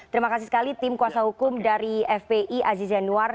terima kasih sekali tim kuasa hukum dari fpi aziz yanuar